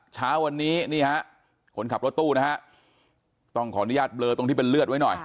เช้าวันนี้นี่ฮะคนขับรถตู้นะฮะต้องขออนุญาตเบลอตรงที่เป็นเลือดไว้หน่อย